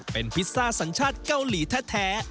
เป็นพิซซ่าสัญชาติเกาหลีแท้